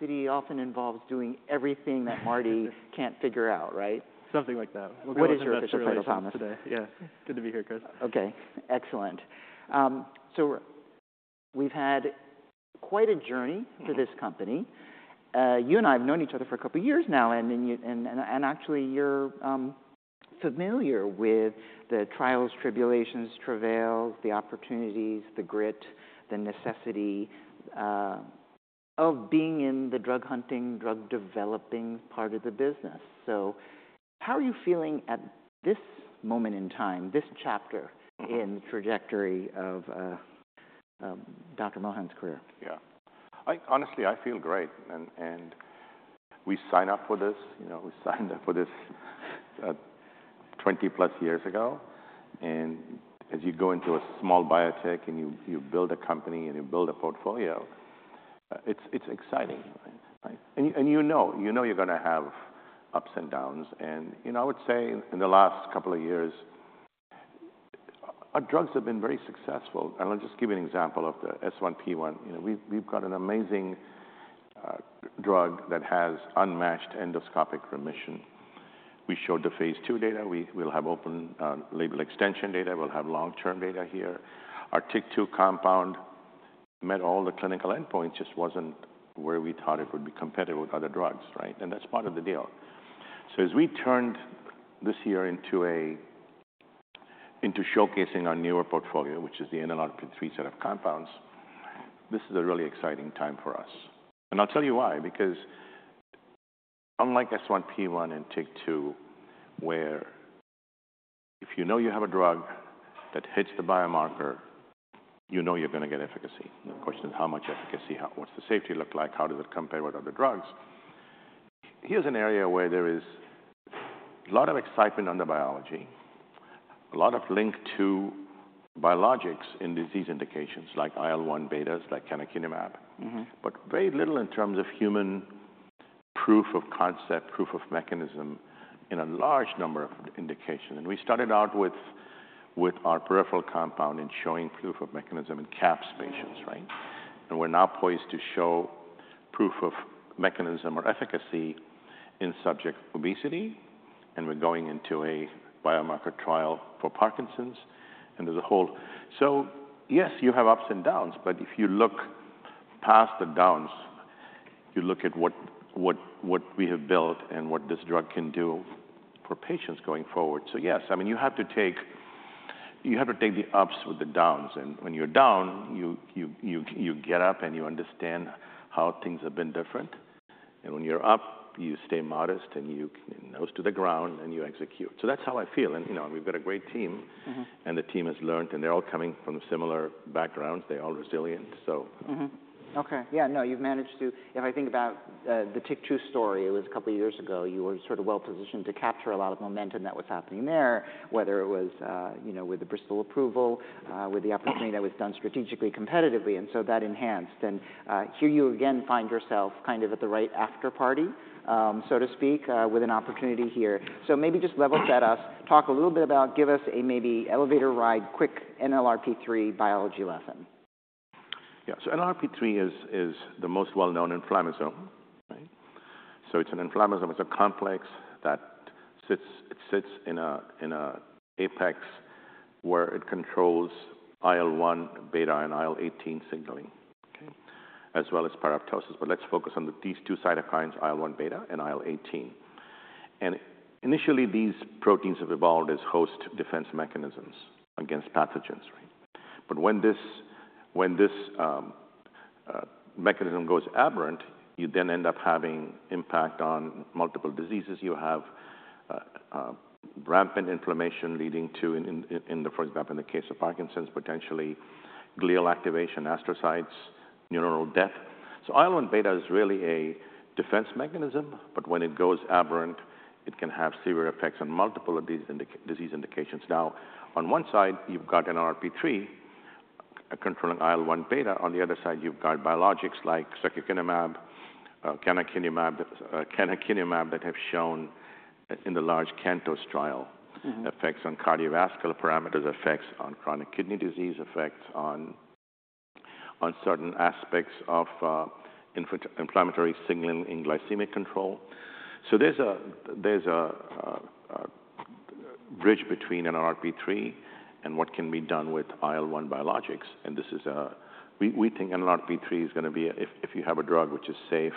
Citi often involves doing everything that Marty can't figure out, right? Something like that. What is? Yeah. Good to be here, Chris. Okay. Excellent. So we've had quite a journey for this company. You and I have known each other for a couple of years now, and actually you're familiar with the trials, tribulations, travails, the opportunities, the grit, the necessity of being in the drug hunting, drug developing part of the business. So how are you feeling at this moment in time, this chapter in the trajectory of Dr. Mohan's career? Yeah. Honestly, I feel great. We signed up for this. We signed up for this 20+ years ago. As you go into a small biotech and you build a company and you build a portfolio, it's exciting. You know you're going to have ups and downs. I would say in the last couple of years, our drugs have been very successful. I'll just give you an example of the S1P1. We've got an amazing drug that has unmatched endoscopic remission. We showed the phase II data. We'll have open label extension data. We'll have long-term data here. Our TYK2 compound met all the clinical endpoints, just wasn't where we thought it would be competitive with other drugs, right? That's part of the deal. So as we turned this year into showcasing our newer portfolio, which is the NLRP3 set of compounds, this is a really exciting time for us. And I'll tell you why. Because unlike S1P1 and TYK2, where if you know you have a drug that hits the biomarker, you know you're going to get efficacy. The question is, how much efficacy? What's the safety look like? How does it compare with other drugs? Here's an area where there is a lot of excitement on the biology, a lot of link to biologics in disease indications like IL-1 betas, like canakinumab, but very little in terms of human proof of concept, proof of mechanism in a large number of indications. And we started out with our peripheral compound and showing proof of mechanism in CAPS patients, right? And we're now poised to show proof of mechanism or efficacy in subject obesity. We're going into a biomarker trial for Parkinson's. And there's a whole, so yes, you have ups and downs. But if you look past the downs, you look at what we have built and what this drug can do for patients going forward. So yes, I mean, you have to take the ups with the downs. And when you're down, you get up and you understand how things have been different. And when you're up, you stay modest and you nose to the ground and you execute. So that's how I feel. And we've got a great team. And the team has learned. And they're all coming from similar backgrounds. They're all resilient. Okay. Yeah. No, you've managed to—if I think about the TYK2 story, it was a couple of years ago, you were sort of well-positioned to capture a lot of momentum that was happening there, whether it was with the Bristol approval, with the opportunity that was done strategically, competitively. And so that enhanced. And here you again find yourself kind of at the right afterparty, so to speak, with an opportunity here. So maybe just level set us, talk a little bit about, give us a maybe elevator ride, quick NLRP3 biology lesson. Yeah. So NLRP3 is the most well-known inflammasome. So it's an inflammasome. It's a complex that sits in an apex where it controls IL-1 beta and IL-18 signaling, as well as pyroptosis. But let's focus on these two cytokines, IL-1 beta and IL-18. And initially, these proteins have evolved as host defense mechanisms against pathogens. But when this mechanism goes aberrant, you then end up having impact on multiple diseases. You have rampant inflammation leading to, for example, in the case of Parkinson's, potentially glial activation, astrocytes, neuronal death. So IL-1 beta is really a defense mechanism. But when it goes aberrant, it can have severe effects on multiple of these disease indications. Now, on one side, you've got NLRP3 controlling IL-1 beta. On the other side, you've got biologics like secukinumab, canakinumab that have shown in the large CANTOS trial effects on cardiovascular parameters, effects on chronic kidney disease, effects on certain aspects of inflammatory signaling in glycemic control. So there's a bridge between NLRP3 and what can be done with IL-1 biologics. And we think NLRP3 is going to be, if you have a drug which is safe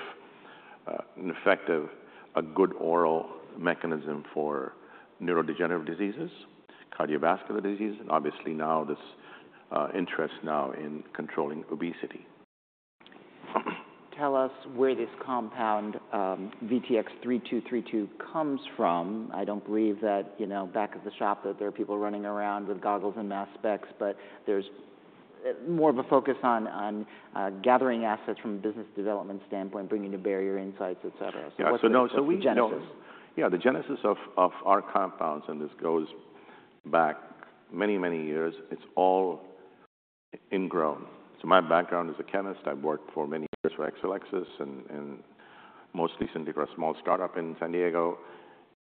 and effective, a good oral mechanism for neurodegenerative diseases, cardiovascular disease, and obviously now this interest now in controlling obesity. Tell us where this compound, VTX3232, comes from. I don't believe that back of the shop that there are people running around with goggles and mask specs, but there's more of a focus on gathering assets from a business development standpoint, bringing new barrier insights, et cetera. Yeah. So the genesis of our compounds, and this goes back many, many years, it's all ingrown. So my background is a chemist. I've worked for many years for Exelixis and most recently for a small startup in San Diego,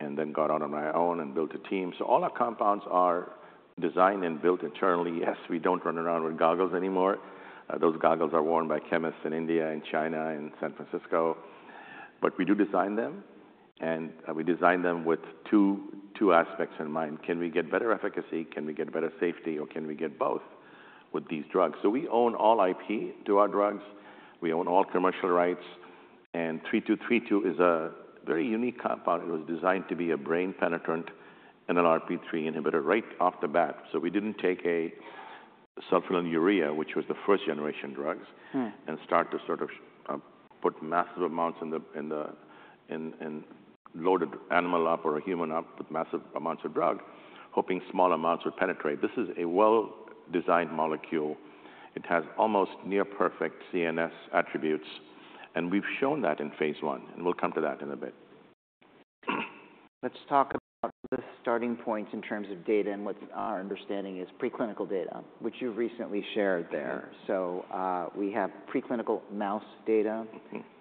and then got on my own and built a team. So all our compounds are designed and built internally. Yes, we don't run around with goggles anymore. Those goggles are worn by chemists in India and China and San Francisco. But we do design them. And we design them with two aspects in mind. Can we get better efficacy? Can we get better safety? Or can we get both with these drugs? So we own all IP to our drugs. We own all commercial rights. And VTX3232 is a very unique compound. It was designed to be a brain penetrant NLRP3 inhibitor right off the bat. We didn't take sulfonylurea, which was the first generation drugs, and start to sort of put massive amounts in the loaded animal or a human up with massive amounts of drug, hoping small amounts would penetrate. This is a well-designed molecule. It has almost near-perfect CNS attributes. We've shown that in phase I. We'll come to that in a bit. Let's talk about the starting points in terms of data and what our understanding is preclinical data, which you've recently shared there. So we have preclinical mouse data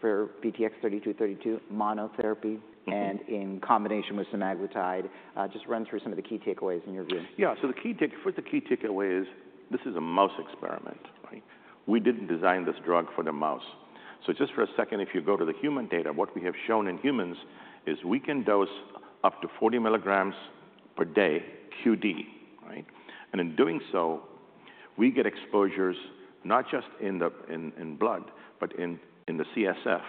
for VTX3232 monotherapy and in combination with some semaglutide. Just run through some of the key takeaways in your view. Yeah. So first, the key takeaway is this is a mouse experiment. We didn't design this drug for the mouse. So just for a second, if you go to the human data, what we have shown in humans is we can dose up to 40 mg per day QD. And in doing so, we get exposures not just in the blood, but in the CSF.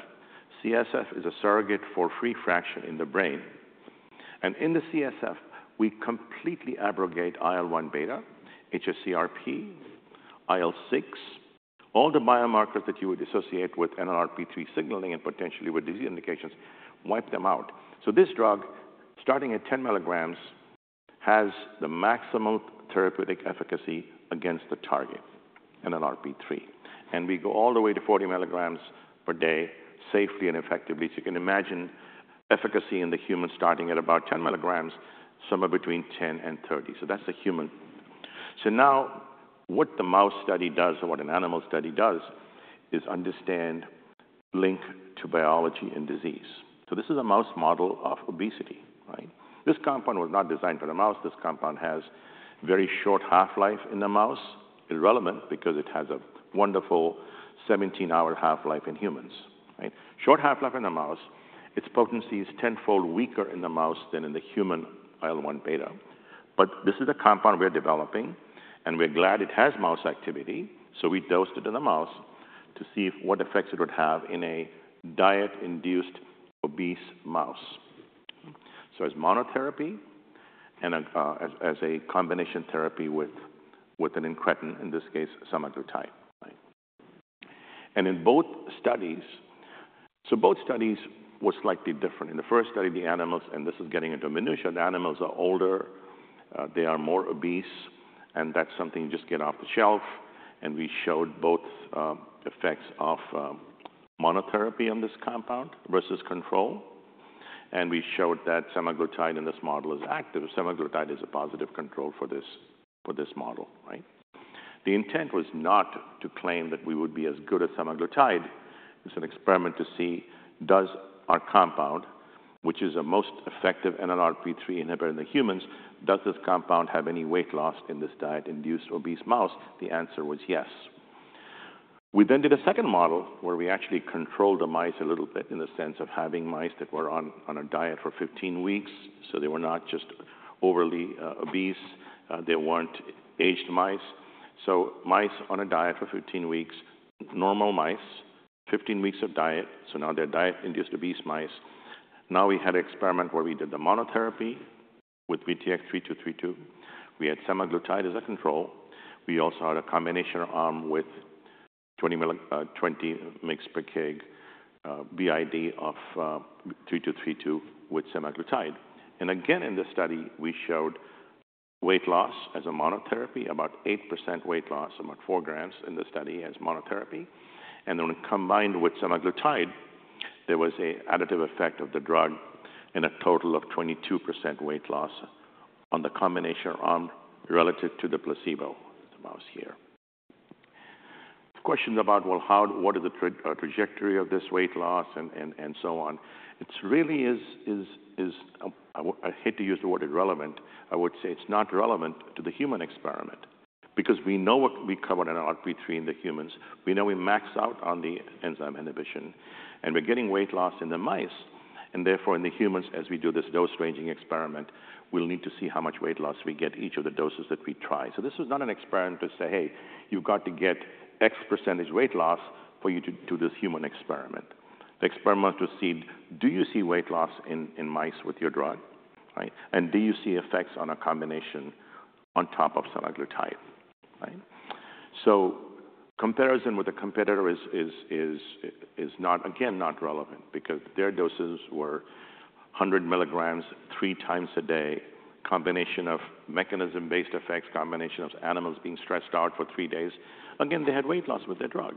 CSF is a surrogate for free fraction in the brain. And in the CSF, we completely abrogate IL-1 beta, hsCRP, IL-6, all the biomarkers that you would associate with NLRP3 signaling and potentially with disease indications, wipe them out. So this drug, starting at 10 mg, has the maximal therapeutic efficacy against the target, NLRP3. And we go all the way to 40 mg per day safely and effectively. So you can imagine efficacy in the human starting at about 10 mg, somewhere between 10 mg and 30 mg. So that's the human. So now what the mouse study does and what an animal study does is understand link to biology and disease. So this is a mouse model of obesity. This compound was not designed for the mouse. This compound has very short half-life in the mouse, irrelevant because it has a wonderful 17-hour half-life in humans. Short half-life in the mouse, its potency is tenfold weaker in the mouse than in the human IL-1 beta. But this is a compound we're developing. And we're glad it has mouse activity. So we dosed it in the mouse to see what effects it would have in a diet-induced obese mouse. So as monotherapy and as a combination therapy with an incretin, in this case, semaglutide. In both studies, so both studies were slightly different. In the first study, the animals, and this is getting into minutiae, the animals are older. They are more obese. And that's something you just get off the shelf. And we showed both effects of monotherapy on this compound versus control. And we showed that semaglutide in this model is active. Semaglutide is a positive control for this model. The intent was not to claim that we would be as good as semaglutide. It's an experiment to see does our compound, which is a most effective NLRP3 inhibitor in the humans, does this compound have any weight loss in this diet-induced obese mouse? The answer was yes. We then did a second model where we actually controlled the mice a little bit in the sense of having mice that were on a diet for 15 weeks. So they were not just overly obese. They weren't aged mice. So mice on a diet for 15 weeks, normal mice, 15 weeks of diet. So now they're diet-induced obese mice. Now we had an experiment where we did the monotherapy with VTX3232. We had semaglutide as a control. We also had a combination arm with 20 mg/kg BID of VTX3232 with semaglutide. And again, in the study, we showed weight loss as a monotherapy, about 8% weight loss, about 4 grams in the study as monotherapy. And then combined with semaglutide, there was an additive effect of the drug in a total of 22% weight loss on the combination arm relative to the placebo mouse here. Questions about, well, what is the trajectory of this weight loss and so on? It really is. I hate to use the word irrelevant. I would say it's not relevant to the human experiment. Because we know what we covered in NLRP3 in the humans. We know we max out on the enzyme inhibition. And we're getting weight loss in the mice. And therefore, in the humans, as we do this dose ranging experiment, we'll need to see how much weight loss we get each of the doses that we try. So this was not an experiment to say, hey, you've got to get X percentage weight loss for you to do this human experiment. The experiment was to see, do you see weight loss in mice with your drug? And do you see effects on a combination on top of semaglutide? Comparison with a competitor is, again, not relevant because their doses were 100 mg three times a day, combination of mechanism-based effects, combination of animals being stressed out for three days. Again, they had weight loss with their drug.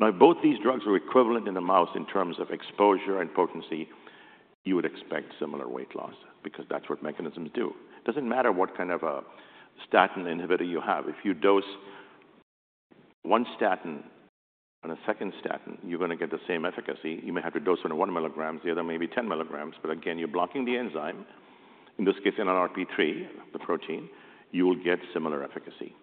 Now, if both these drugs were equivalent in the mouse in terms of exposure and potency, you would expect similar weight loss because that's what mechanisms do. It doesn't matter what kind of a statin inhibitor you have. If you dose one statin and a second statin, you're going to get the same efficacy. You may have to dose one at one milligrams, the other maybe 10 mg. But again, you're blocking the enzyme, in this case, NLRP3, the protein, you will get similar efficacy.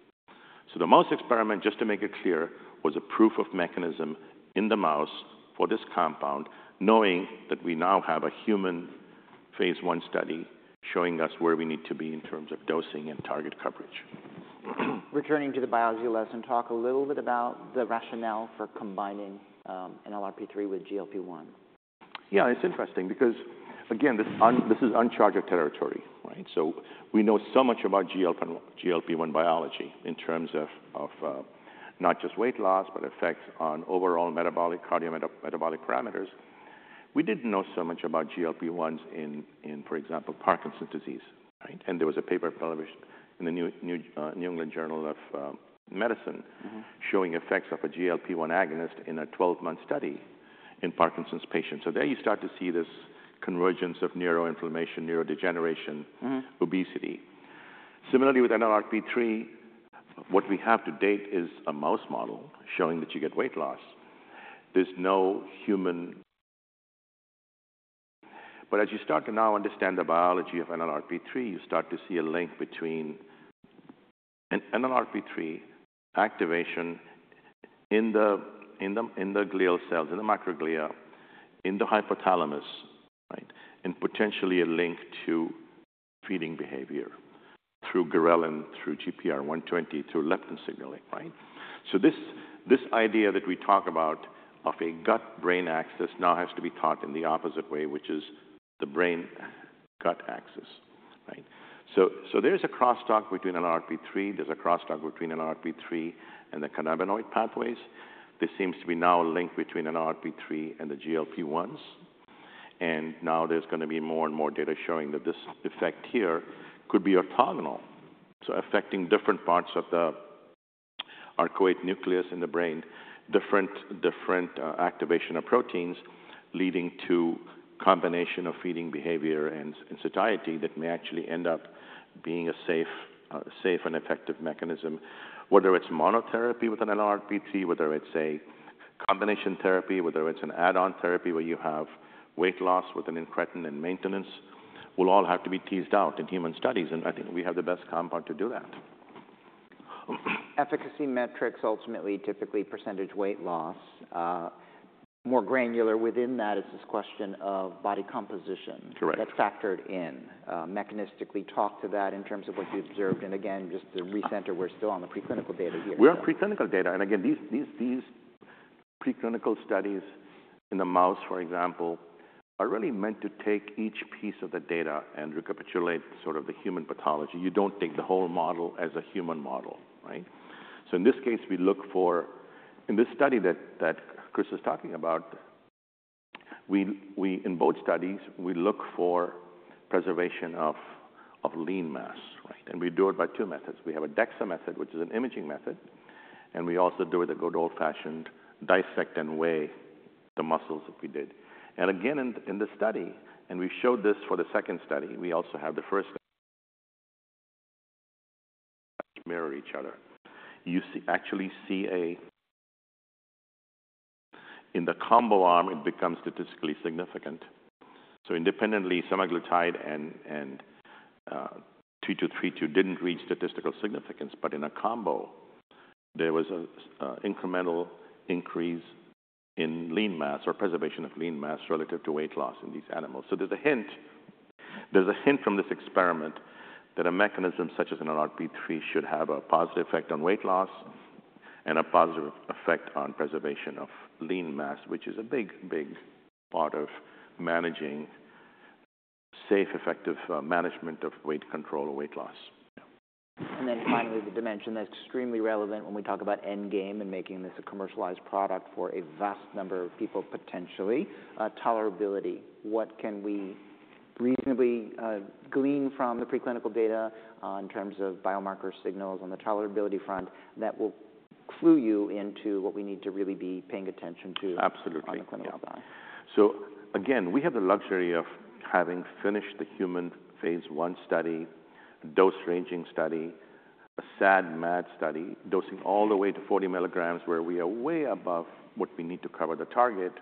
The mouse experiment, just to make it clear, was a proof of mechanism in the mouse for this compound, knowing that we now have a human phase I study showing us where we need to be in terms of dosing and target coverage. Returning to the biology lesson, talk a little bit about the rationale for combining NLRP3 with GLP-1. Yeah, it's interesting because, again, this is uncharted territory. So we know so much about GLP-1 biology in terms of not just weight loss, but effects on overall metabolic parameters. We didn't know so much about GLP-1s in, for example, Parkinson's disease. And there was a paper published in the New England Journal of Medicine showing effects of a GLP-1 agonist in a 12-month study in Parkinson's patients. So there you start to see this convergence of neuroinflammation, neurodegeneration, obesity. Similarly, with NLRP3, what we have to date is a mouse model showing that you get weight loss. There's no human. But as you start to now understand the biology of NLRP3, you start to see a link between NLRP3 activation in the glial cells, in the microglia, in the hypothalamus, and potentially a link to feeding behavior through ghrelin, through GPR-120, through leptin signaling. So this idea that we talk about of a gut-brain axis now has to be taught in the opposite way, which is the brain-gut axis. So there's a cross-talk between NLRP3. There's a cross-talk between NLRP3 and the cannabinoid pathways. This seems to be now linked between NLRP3 and the GLP-1s. And now there's going to be more and more data showing that this effect here could be orthogonal, so affecting different parts of the arcuate nucleus in the brain, different activation of proteins leading to a combination of feeding behavior and satiety that may actually end up being a safe and effective mechanism. Whether it's monotherapy with NLRP3, whether it's a combination therapy, whether it's an add-on therapy where you have weight loss with an incretin and maintenance will all have to be teased out in human studies. And I think we have the best compound to do that. Efficacy metrics, ultimately, typically percentage weight loss. More granular within that is this question of body composition that factored in. Mechanistically, talk to that in terms of what you observed. And again, just to recenter, we're still on the preclinical data here. We're on preclinical data. And again, these preclinical studies in the mouse, for example, are really meant to take each piece of the data and recapitulate sort of the human pathology. You don't take the whole model as a human model. So in this case, we look for, in this study that Chris was talking about, in both studies, we look for preservation of lean mass. And we do it by two methods. We have a DEXA method, which is an imaging method. And we also do it a good old-fashioned dissect and weigh the muscles that we did. And again, in the study, and we showed this for the second study, we also have the first. Mirror each other. You actually see, in the combo arm, it becomes statistically significant. So independently, semaglutide and VTX3232 didn't reach statistical significance. But in a combo, there was an incremental increase in lean mass or preservation of lean mass relative to weight loss in these animals. So there's a hint from this experiment that a mechanism such as NLRP3 should have a positive effect on weight loss and a positive effect on preservation of lean mass, which is a big, big part of managing safe, effective management of weight control or weight loss. And then finally, the dimension that's extremely relevant when we talk about end game and making this a commercialized product for a vast number of people potentially, tolerability. What can we reasonably glean from the preclinical data in terms of biomarker signals on the tolerability front that will clue you into what we need to really be paying attention to on the clinical side? Absolutely. So again, we have the luxury of having finished the human phase I study, dose ranging study, a SAD/MAD study, dosing all the way to 40 mg where we are way above what we need to cover the target,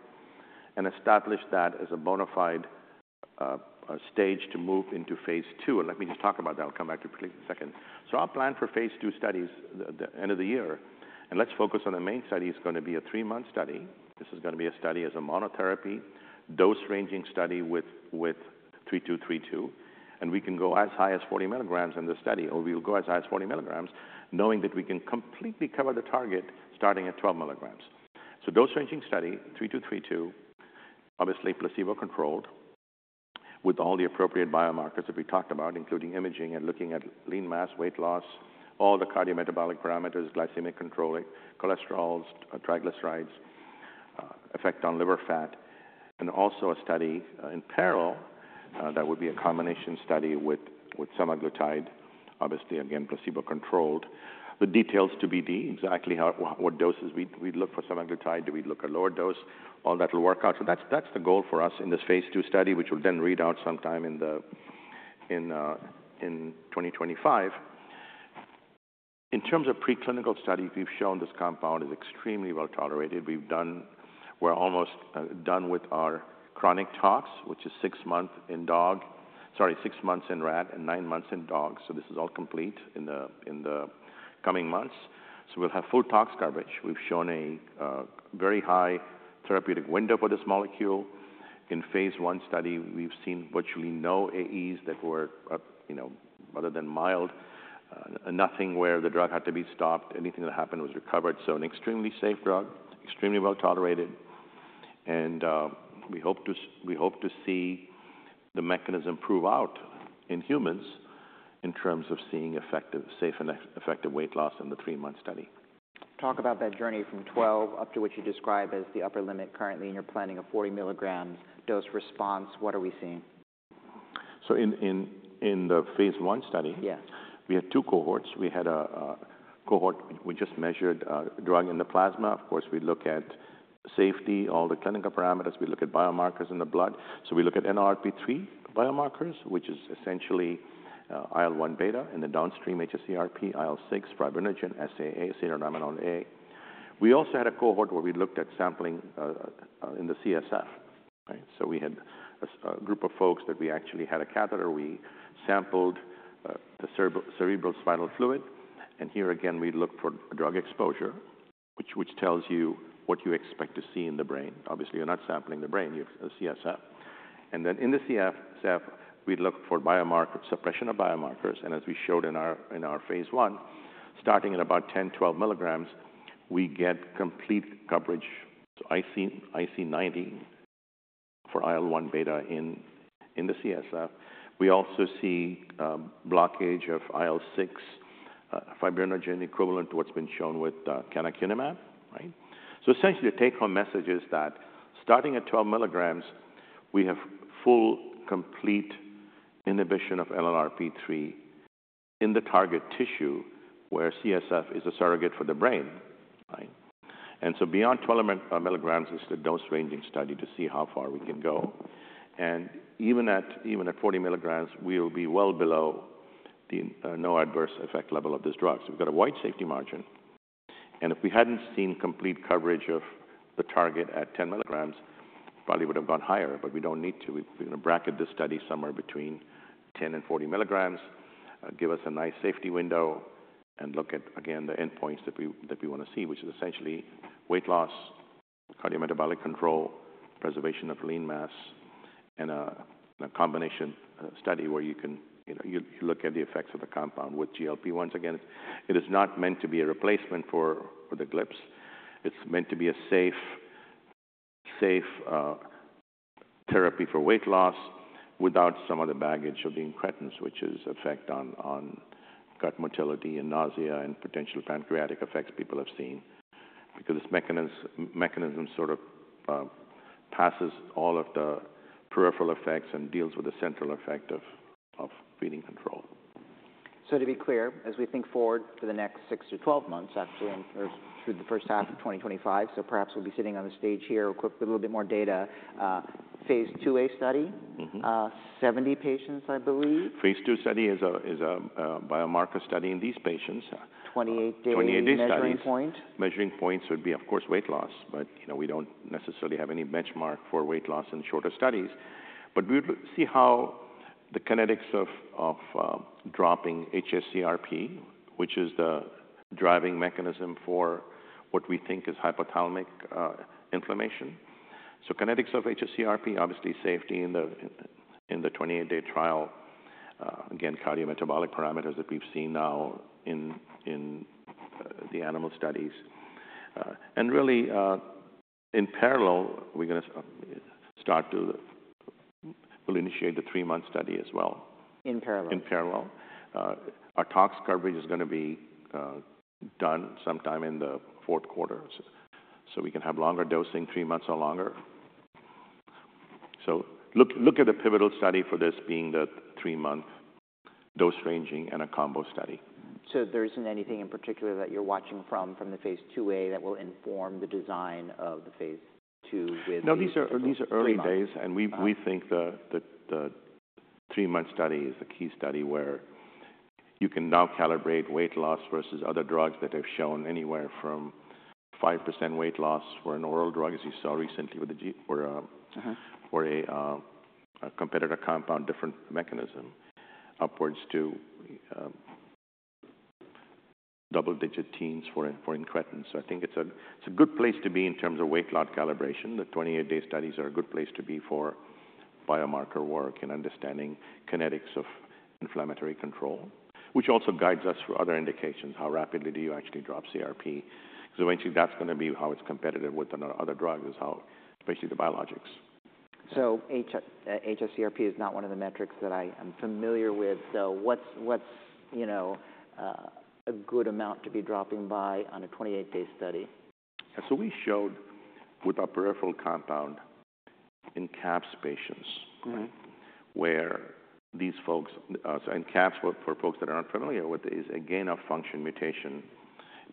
and established that as a bona fide stage to move into phase II. And let me just talk about that. I'll come back to it in a second. So I'll plan for phase II studies at the end of the year. And let's focus on the main study. It's going to be a three-month study. This is going to be a study as a monotherapy, dose ranging study with VTX3232. And we can go as high as 40 mg in this study. Or we will go as high as 40 mg, knowing that we can completely cover the target starting at 12 mg. So dose ranging study, VTX3232, obviously placebo-controlled with all the appropriate biomarkers that we talked about, including imaging and looking at lean mass, weight loss, all the cardiometabolic parameters, glycemic control, cholesterols, triglycerides, effect on liver fat, and also a study in parallel that would be a combination study with semaglutide, obviously, again, placebo-controlled. The details to be exactly what doses we'd look for semaglutide. Do we look at lower dose? All that will work out. So that's the goal for us in this phase II study, which will then read out sometime in 2025. In terms of preclinical studies, we've shown this compound is extremely well tolerated. We're almost done with our chronic tox, which is six months in dog, sorry, six months in rat and nine months in dog. So this is all complete in the coming months. So we'll have full tox coverage. We've shown a very high therapeutic window for this molecule. In phase I study, we've seen virtually no AEs that were other than mild, nothing where the drug had to be stopped. Anything that happened was recovered. So an extremely safe drug, extremely well tolerated. And we hope to see the mechanism prove out in humans in terms of seeing safe and effective weight loss in the three-month study. Talk about that journey from 12 up to what you describe as the upper limit currently in your planning of 40 mg dose response. What are we seeing? So in the phase one study, we had two cohorts. We had a cohort we just measured drug in the plasma. Of course, we look at safety, all the clinical parameters. We look at biomarkers in the blood. So we look at NLRP3 biomarkers, which is essentially IL-1 beta in the downstream hsCRP, IL-6, fibrinogen, SAA, serum amyloid A. We also had a cohort where we looked at sampling in the CSF. So we had a group of folks that we actually had a catheter. We sampled the cerebrospinal fluid. And here again, we look for drug exposure, which tells you what you expect to see in the brain. Obviously, you're not sampling the brain. You have the CSF. And then in the CSF, we look for biomarker suppression of biomarkers. And as we showed in our phase one, starting at about 10, 12 mg, we get complete coverage. So I see 90% for IL-1 beta in the CSF. We also see blockage of IL-6, fibrinogen equivalent to what's been shown with canakinumab. So essentially, the take-home message is that starting at 12 mg, we have full complete inhibition of NLRP3 in the target tissue where CSF is a surrogate for the brain. And so beyond 12 mg is the dose ranging study to see how far we can go. And even at 40 mg, we will be well below the no adverse effect level of this drug. So we've got a wide safety margin. And if we hadn't seen complete coverage of the target at 10 mg, probably would have gone higher. But we don't need to. We're going to bracket this study somewhere between 10 mg and 40 mg. Give us a nice safety window and look at, again, the end points that we want to see, which is essentially weight loss, cardiometabolic control, preservation of lean mass, and a combination study where you can look at the effects of the compound with GLP-1s. Again, it is not meant to be a replacement for the GLPs. It's meant to be a safe therapy for weight loss without some of the baggage of the incretins, which is effect on gut motility and nausea and potential pancreatic effects people have seen. Because this mechanism sort of passes all of the peripheral effects and deals with the central effect of feeding control. So to be clear, as we think forward for the next six to 12 months, actually, through the first half of 2025, so perhaps we'll be sitting on the stage here with a little bit more data, phase IIA study, 70 patients, I believe. phase II study is a biomarker study in these patients. 28-day measuring point. 28-day study. Measuring points would be, of course, weight loss. But we don't necessarily have any benchmark for weight loss in shorter studies. But we would see how the kinetics of dropping hsCRP, which is the driving mechanism for what we think is hypothalamic inflammation. So kinetics of hsCRP, obviously safety in the 28-day trial, again, cardiometabolic parameters that we've seen now in the animal studies. And really, in parallel, we're going to start to initiate the three-month study as well. In parallel. In parallel. Our tox coverage is going to be done sometime in the fourth quarter. So we can have longer dosing, three months or longer. So look at the pivotal study for this being the three-month dose ranging and a combo study. There isn't anything in particular that you're watching from the phase II-a that will inform the design of the phase II with. No, these are early days. We think the three-month study is the key study where you can now calibrate weight loss versus other drugs that have shown anywhere from 5% weight loss for an oral drug, as you saw recently, or a competitor compound, different mechanism, upwards to double-digit teens for incretins. I think it's a good place to be in terms of weight loss calibration. The 28-day studies are a good place to be for biomarker work and understanding kinetics of inflammatory control, which also guides us for other indications. How rapidly do you actually drop CRP? Because eventually, that's going to be how it's competitive with other drugs, especially the biologics. hsCRP is not one of the metrics that I am familiar with. What's a good amount to be dropping by on a 28-day study? So we showed with our peripheral compound in CAPS patients where these folks, and CAPS for folks that are unfamiliar with it, is a gain of function mutation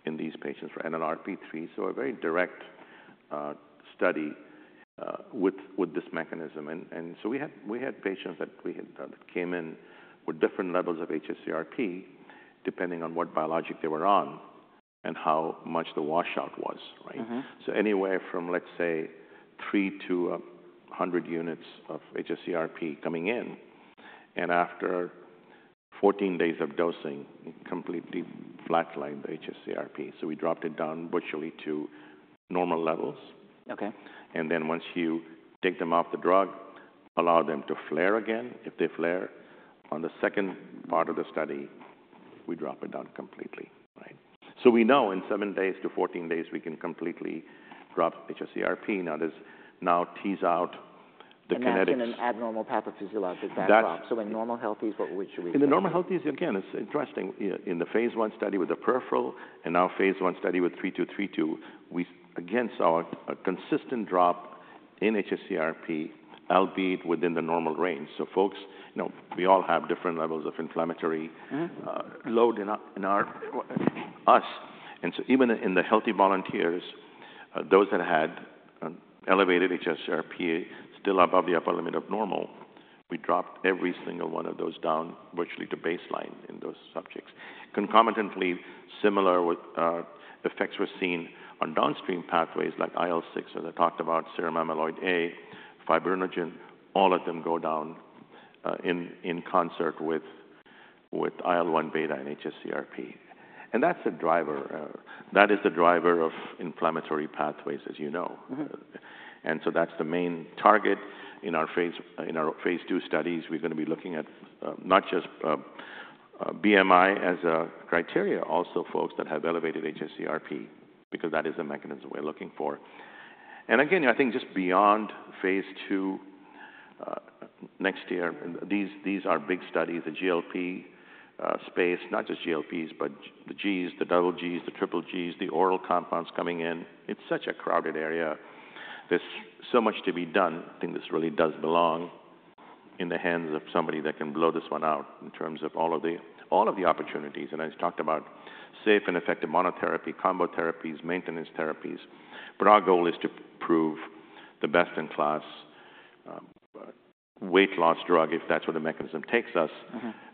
in these patients for NLRP3. So a very direct study with this mechanism. And so we had patients that came in with different levels of hsCRP depending on what biologic they were on and how much the washout was. So anywhere from, let's say, three to 100 units of hsCRP coming in. And after 14 days of dosing, completely flatlined the hsCRP. So we dropped it down virtually to normal levels. And then once you take them off the drug, allow them to flare again. If they flare on the second part of the study, we drop it down completely. So we know in seven to 14 days, we can completely drop hsCRP. Now, this now tease out the kinetics. That's in an abnormal pathophysiologic backdrop. So in normal healthy is what we should be. In the normal healthy is, again, it's interesting. In the phase one study with the peripheral and now phase one study with VTX3232, we again saw a consistent drop in hsCRP, albeit within the normal range. So folks, we all have different levels of inflammatory load in us. And so even in the healthy volunteers, those that had elevated hsCRP still above the upper limit of normal, we dropped every single one of those down virtually to baseline in those subjects. Concomitantly, similar effects were seen on downstream pathways like IL-6, as I talked about, serum amyloid A, fibrinogen. All of them go down in concert with IL-1 beta and hsCRP. And that's a driver. That is the driver of inflammatory pathways, as you know. And so that's the main target. In our phase II studies, we're going to be looking at not just BMI as a criteria, also folks that have elevated hsCRP, because that is the mechanism we're looking for. Again, I think just beyond phase II next year, these are big studies, the GLP space, not just GLPs, but the Gs, the double Gs, the triple Gs, the oral compounds coming in. It's such a crowded area. There's so much to be done. I think this really does belong in the hands of somebody that can blow this one out in terms of all of the opportunities. I talked about safe and effective monotherapy, combo therapies, maintenance therapies. But our goal is to prove the best-in-class weight loss drug, if that's what the mechanism takes us.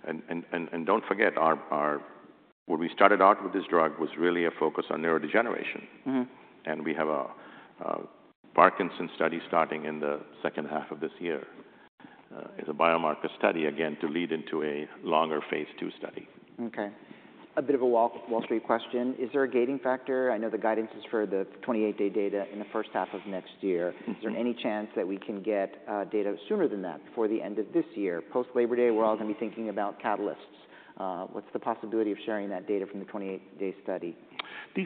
And don't forget, what we started out with this drug was really a focus on neurodegeneration. We have a Parkinson's study starting in the second half of this year as a biomarker study, again, to lead into a longer phase II study. Okay. A bit of a Wall Street question. Is there a gating factor? I know the guidance is for the 28-day data in the first half of next year. Is there any chance that we can get data sooner than that, before the end of this year? Post Labor Day, we're all going to be thinking about catalysts. What's the possibility of sharing that data from the 28-day study? These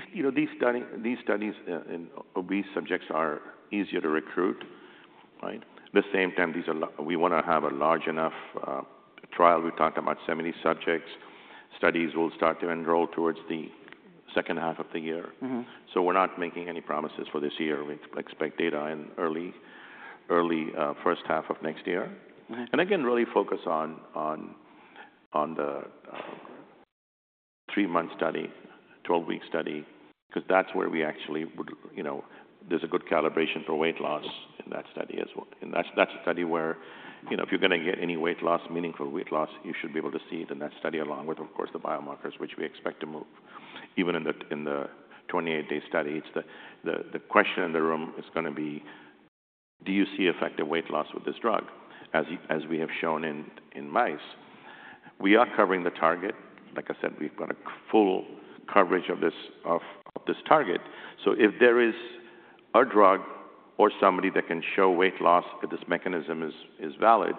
studies in obese subjects are easier to recruit. At the same time, we want to have a large enough trial. We talked about 70 subjects. Studies will start to enroll towards the second half of the year. So we're not making any promises for this year. We expect data in early first half of next year. And again, really focus on the three-month study, 12-week study, because that's where we actually would there's a good calibration for weight loss in that study as well. And that's a study where if you're going to get any weight loss, meaningful weight loss, you should be able to see it in that study along with, of course, the biomarkers, which we expect to move even in the 28-day study. The question in the room is going to be, do you see effective weight loss with this drug, as we have shown in mice? We are covering the target. Like I said, we've got a full coverage of this target. So if there is a drug or somebody that can show weight loss if this mechanism is valid,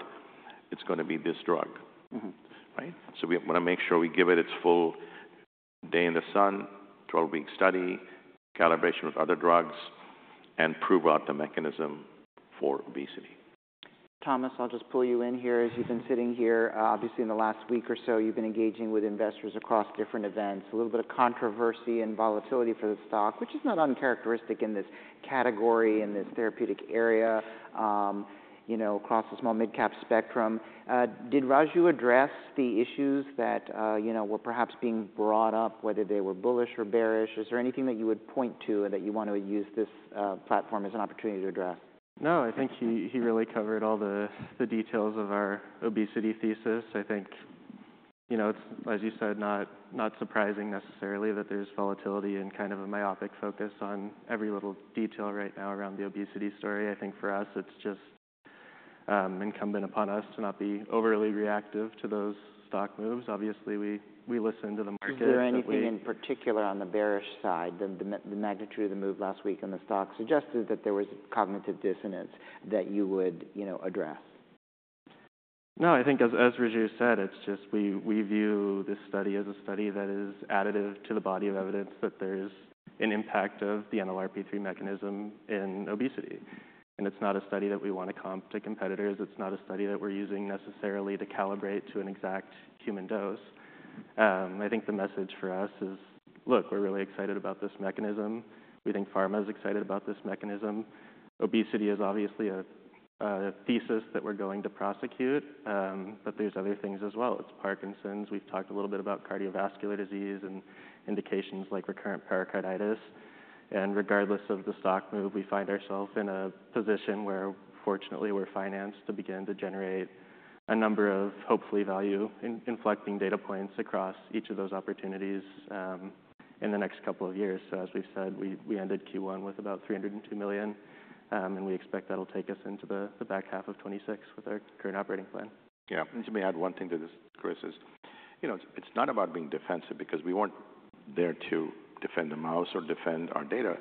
it's going to be this drug. So we want to make sure we give it its full day in the sun, 12-week study, calibration with other drugs, and prove out the mechanism for obesity. Thomas, I'll just pull you in here as you've been sitting here. Obviously, in the last week or so, you've been engaging with investors across different events, a little bit of controversy and volatility for the stock, which is not uncharacteristic in this category, in this therapeutic area across the small mid-cap spectrum. Did Raju address the issues that were perhaps being brought up, whether they were bullish or bearish? Is there anything that you would point to that you want to use this platform as an opportunity to address? No, I think he really covered all the details of our obesity thesis. I think, as you said, not surprising necessarily that there's volatility and kind of a myopic focus on every little detail right now around the obesity story. I think for us, it's just incumbent upon us to not be overly reactive to those stock moves. Obviously, we listen to the market. Is there anything in particular on the bearish side? The magnitude of the move last week in the stock suggested that there was cognitive dissonance that you would address. No, I think as Raju said, it's just we view this study as a study that is additive to the body of evidence that there is an impact of the NLRP3 mechanism in obesity. It's not a study that we want to comp to competitors. It's not a study that we're using necessarily to calibrate to an exact human dose. I think the message for us is, look, we're really excited about this mechanism. We think pharma is excited about this mechanism. Obesity is obviously a thesis that we're going to prosecute. There's other things as well. It's Parkinson's. We've talked a little bit about cardiovascular disease and indications like recurrent pericarditis. Regardless of the stock move, we find ourselves in a position where, fortunately, we're financed to begin to generate a number of hopefully value-inflecting data points across each of those opportunities in the next couple of years. As we've said, we ended Q1 with about $302 million. We expect that'll take us into the back half of 2026 with our current operating plan. Yeah. And to me, I had one thing to this, Chris, is it's not about being defensive because we weren't there to defend the mouse or defend our data.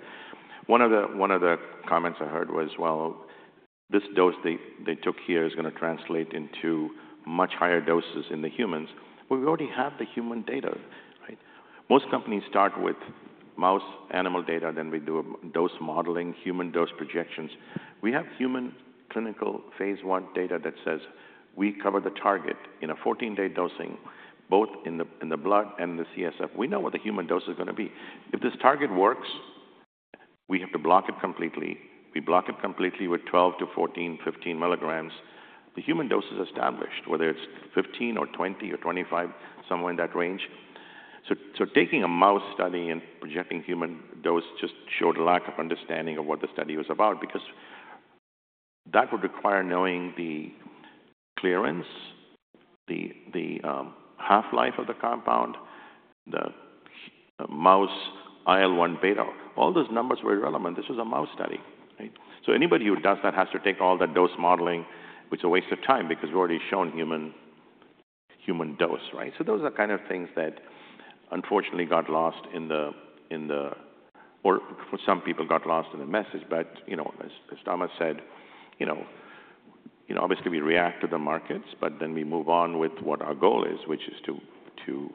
One of the comments I heard was, well, this dose they took here is going to translate into much higher doses in the humans. Well, we already have the human data. Most companies start with mouse animal data. Then we do a dose modeling, human dose projections. We have human clinical phase I data that says we cover the target in a 14-day dosing, both in the blood and the CSF. We know what the human dose is going to be. If this target works, we have to block it completely. We block it completely with 12 mg to 14 mg, 15 mg. The human dose is established, whether it's 15 mg or 20 mg or 25 mg, somewhere in that range. So taking a mouse study and projecting human dose just showed a lack of understanding of what the study was about because that would require knowing the clearance, the half-life of the compound, the mouse IL-1 beta. All those numbers were irrelevant. This was a mouse study. So anybody who does that has to take all that dose modeling, which is a waste of time because we've already shown human dose. So those are the kind of things that unfortunately got lost in the, or some people got lost in the message. But as Thomas said, obviously, we react to the markets, but then we move on with what our goal is, which is to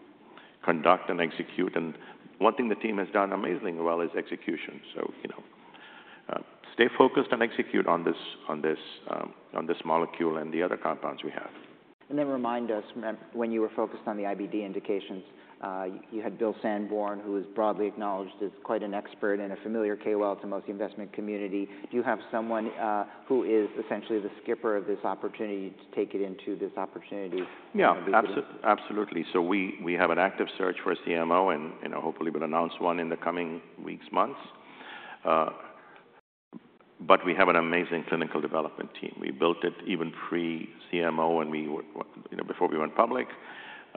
conduct and execute. And one thing the team has done amazingly well is execution. So stay focused and execute on this molecule and the other compounds we have. Then remind us, when you were focused on the IBD indications, you had Bill Sandborn, who is broadly acknowledged as quite an expert and a familiar face to most of the investment community. Do you have someone who is essentially the skipper of this opportunity to take it into this opportunity? Yeah, absolutely. So we have an active search for a CMO and hopefully will announce one in the coming weeks, months. But we have an amazing clinical development team. We built it even pre-CMO and before we went public.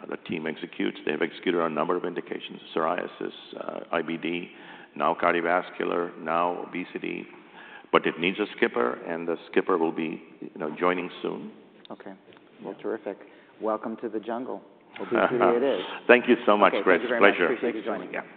The team executes. They have executed on a number of indications: psoriasis, IBD, now cardiovascular, now obesity. But it needs a skipper, and the skipper will be joining soon. Okay. Well, terrific. Welcome to the jungle. We'll be here where it is. Thank you so much, Chris. Pleasure. Thank you very much.